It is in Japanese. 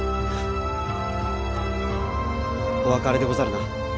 おわかれでござるな。